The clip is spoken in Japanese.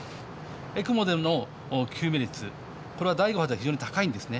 ＥＣＭＯでの救命率、これは第５波では非常に高いんですね。